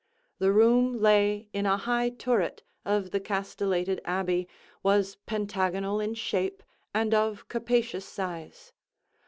The room lay in a high turret of the castellated abbey, was pentagonal in shape, and of capacious size.